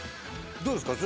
どうですか？